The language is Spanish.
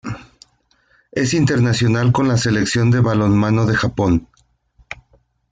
Es internacional con la Selección de balonmano de Japón.